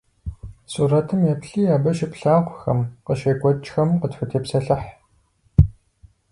Сурэтым еплъи абы щыплъагъухэм, къыщекӏуэкӏхэм къытхутепсэлъыхь.